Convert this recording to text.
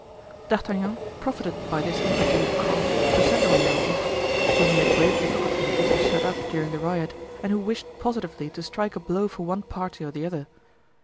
D'Artagnan profited by this interval of calm to send away Raoul, whom he had great difficulty in keeping shut up during the riot, and who wished positively to strike a blow for one party or the other.